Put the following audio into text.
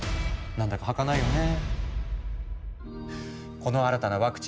なんだかはかないよね。